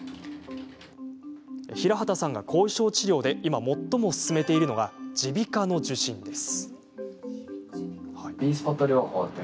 平畑さんが後遺症治療で今、最も勧めているのが耳鼻科の受診です。